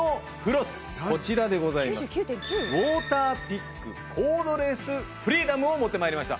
ウォーターピックコードレスフリーダムを持って参りました。